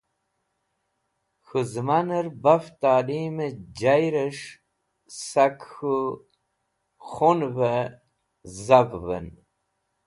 K̃hũ zẽmanẽr baf talim jayẽrẽs̃h sak k̃hũ khunvẽ zavũvẽn.